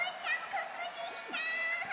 ここでした！